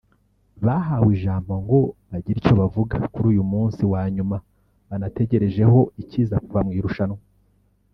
Bahawe ijambo ngo bagire icyo bavuga kuri uyu munsi wa nyuma banategerejeho ikiza kuva mu irushanwa